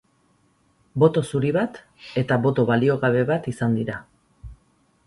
Boto zuri bat eta boto baliogabe bat izan dira.